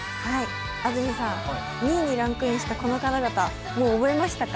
２位にランクインしたこの方々、もう覚えましたか？